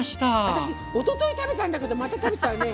私おととい食べたんだけどまた食べちゃうね。